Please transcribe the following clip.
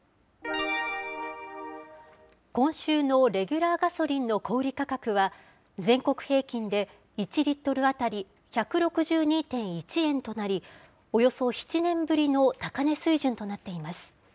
今週のレギュラーガソリンの小売り価格は、全国平均で、１リットル当たり１６２．１円となり、およそ７年ぶりの高値水準となっています。